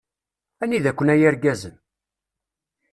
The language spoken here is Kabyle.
Anida-ken a yirgazen?